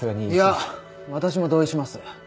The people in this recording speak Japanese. いや私も同意します。